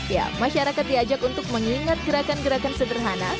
ya masyarakat diajak untuk mengingat gerakan gerakan sederhana